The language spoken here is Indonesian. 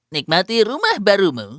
nikmati rumah barumu